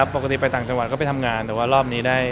ปกติไปต่างจังหวัดก็ไปทำงานแต่ว่ารอบนี้ได้